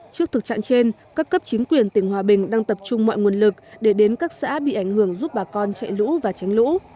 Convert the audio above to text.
trước thực trạng trên các cấp chính quyền tỉnh hòa bình đang tập trung mọi nguồn lực để đến các xã bị ảnh hưởng giúp bà con chạy lũ và tránh lũ